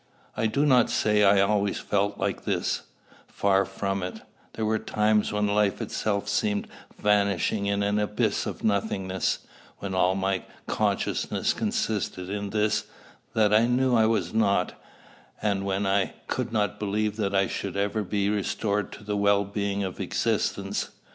I do not say I always felt like this, far from it: there were times when life itself seemed vanishing in an abyss of nothingness, when all my consciousness consisted in this, that I knew I was not, and when I could not believe that I should ever be restored to the well being of existence.